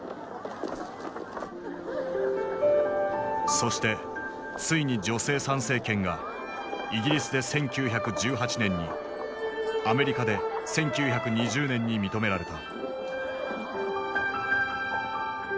そしてついに女性参政権がイギリスで１９１８年にアメリカで１９２０年に認められた。